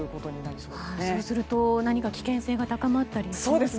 そうすると何か危険性が高まったりしますか。